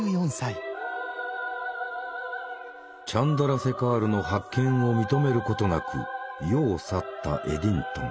チャンドラセカールの発見を認めることなく世を去ったエディントン。